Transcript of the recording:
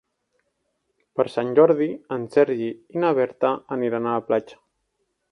Per Sant Jordi en Sergi i na Berta aniran a la platja.